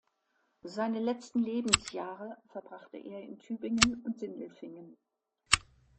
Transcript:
Seine letzten Lebensjahre verbrachte er in Tübingen und Sindelfingen.